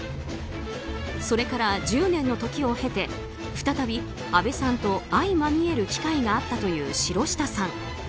それから１０年の時を経て再び、あべさんと相まみえる機会があったという城下さん。